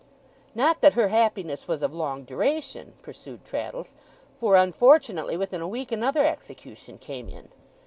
'Not that her happiness was of long duration,' pursued Traddles, 'for, unfortunately, within a week another execution came in.